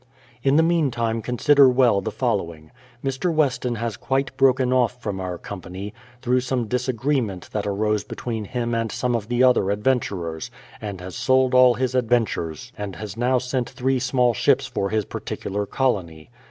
In the meantime consider well the following. Mr. Weston, has quite broken off from our company, through some disagreement^ that arose between him and some of the other adventurers, and has' sold all his adventurers and has now sent tliree small ships for his particular colony.